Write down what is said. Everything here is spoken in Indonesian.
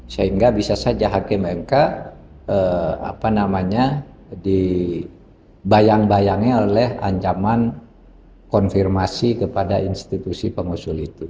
sehingga bisa saja hakim mk dibayang bayangi oleh ancaman konfirmasi kepada institusi pengusul itu